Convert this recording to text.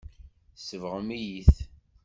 Tsebɣem-iyi-t.